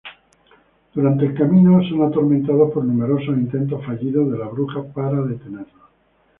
Durante el camino, son atormentados por numerosos intentos fallidos de la bruja para detenerlos.